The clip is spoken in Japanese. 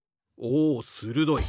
おするどい。